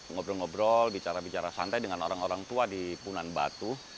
ngobrol ngobrol bicara bicara santai dengan orang orang tua di punan batu